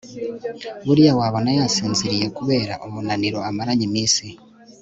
buriya wabona yasinziye kubera umunaniro amaranye iminsi